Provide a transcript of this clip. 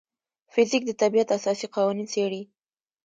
فزیک د طبیعت اساسي قوانین څېړي.